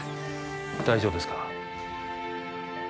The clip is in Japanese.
大丈夫ですか？